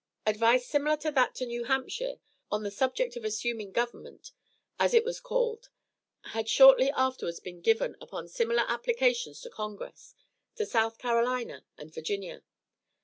Advice similar to that to New Hampshire on the subject of assuming government, as it was called, had shortly afterwards been given upon similar applications to Congress, to South Carolina and Virginia.